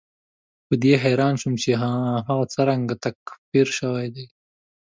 په دې حیران شوم چې هغه څرنګه تکفیر شوی دی.